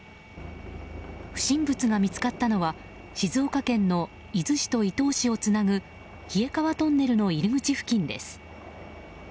不審物が見つかったのは静岡県の伊豆市と伊東市をつなぐ冷川トンネルの入り口付近です。